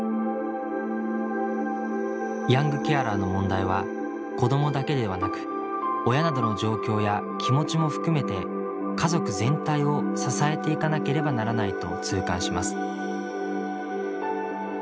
ヤングケアラーの問題は子どもだけではなく親などの状況や気持ちも含めて家族全体を支えていかなければならないと痛感します。